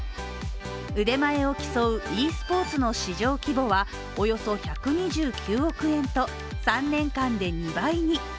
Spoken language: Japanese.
腕前を競うｅスポーツの市場規模はおよそ１２９億円と３年間で２倍に。